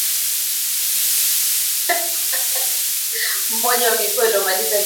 mkoa mmoja wapo wa mikoa inayolima viazi lishe ni Arusha